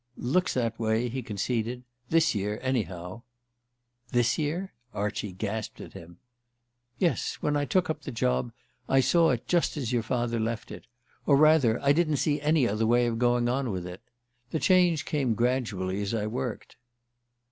"Looks that way," he conceded. "This year anyhow." "_ This year_ ?" Archie gasped at him. "Yes. When I took up the job I saw it just as your father left it. Or rather, I didn't see any other way of going on with it. The change came gradually, as I worked."